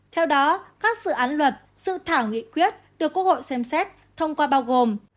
theo đó các dự án luật sự thảo nghị quyết được quốc hội xem xét thông qua bao gồm